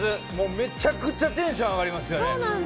めちゃくちゃテンション上がりますね。